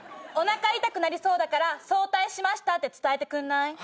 おなか痛くなりそうだから早退しましたって伝えてくんない？